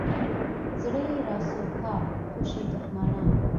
زړه یې راسو کا خوشي دښمنان.